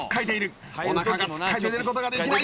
おなかがつっかえて出ることができない！